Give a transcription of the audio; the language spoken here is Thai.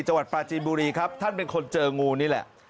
จังหวัดปลาจีนบุรีครับท่านเป็นคนเจองูนี่แหละ